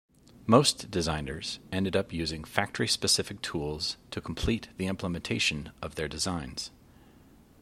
Most designers ended up using factory-specific tools to complete the implementation of their designs.